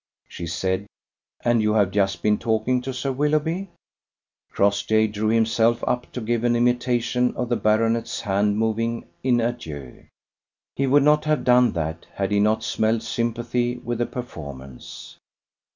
She said: "And you have just been talking to Sir Willoughby." Crossjay drew himself up to give an imitation of the baronet's hand moving in adieu. He would not have done that had he not smelled sympathy with the performance.